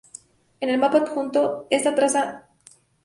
En el mapa adjunto esta traza está marcada en verde.